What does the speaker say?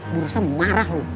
gue rusak memarah lo